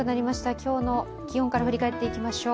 今日の気温から振り返っていきましょう。